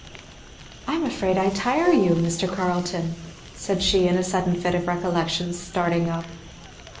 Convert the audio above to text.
"I am afraid I tire you, Mr. Carleton!" said she in a sudden fit of recollection, starting up.